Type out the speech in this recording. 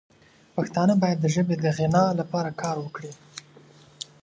پښتانه باید د ژبې د غنا لپاره کار وکړي.